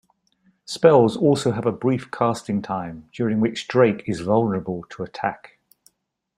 Spells also have a brief casting time, during which Drake is vulnerable to attack.